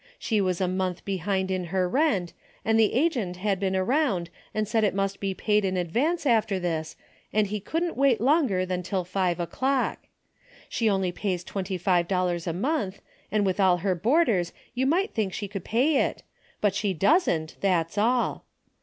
She was a month be hind in her rent, and the agent had been around and said it must be paid in advance after this and he couldn't wait longer than till five o'clock. She only pays twenty five dol lars a month, and with all her boarders you might think she could pay it, but she doesn't, that's all.